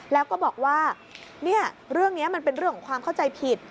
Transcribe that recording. แล้วก็บอกว่าเนี่ยเรื่องนี้มันเป็นเรื่องของความเข้าใจผิด